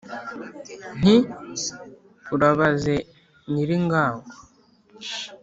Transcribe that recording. nti: urabaze nyilingango,